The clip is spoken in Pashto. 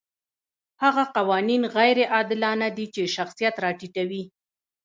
هغه قوانین غیر عادلانه دي چې شخصیت راټیټوي.